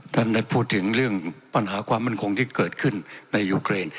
ท่านได้พูดถึงเรื่องปัญหาความมั่นคงที่เกิดขึ้นในยูเครน